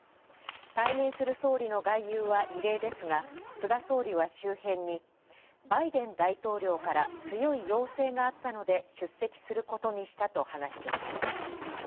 退任する総理の外遊は異例ですが菅総理は周辺に「バイデン大統領から強い要請があったので出席することにした」と話しています。